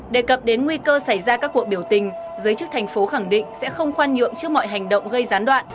đề cập đến nguy cơ xảy ra các cuộc biểu tình giới chức thành phố khẳng định sẽ không khoan nhượng trước mọi hành động gây gián đoạn